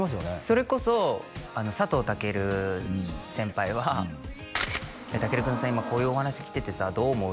それこそ佐藤健先輩は「健君さ今こういうお話来ててさどう思う？」